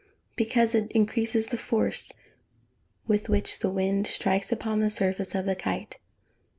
_ Because it increases the force with which the wind strikes upon the surface of the kite.